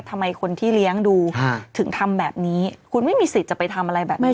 ทำไมคนที่เลี้ยงดูถึงทำแบบนี้คุณไม่มีสิทธิ์จะไปทำอะไรแบบนี้